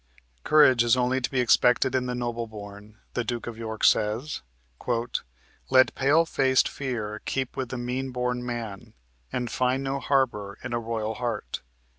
Courage is only to be expected in the noble born. The Duke of York says: "Let pale faced fear keep with the mean born man, And find no harbor in a royal heart."